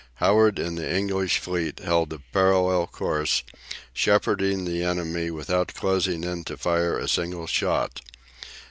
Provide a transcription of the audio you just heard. Howard and the English fleet held a parallel course, shepherding the enemy without closing in to fire a single shot.